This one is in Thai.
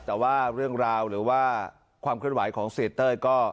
แต่ว่าเรื่องราวหรือว่าความเคลื่อนไหวของเสียเต้ยก็